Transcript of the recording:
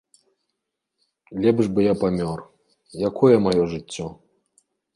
Лепш бы я памёр, якое маё жыццё?